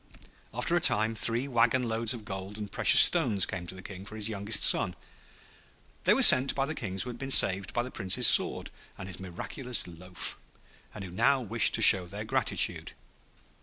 After a time three wagon loads of gold and precious stones came to the King for his youngest son. They were sent by the Kings who had been saved by the Prince's sword and his miraculous loaf, and who now wished to show their gratitude.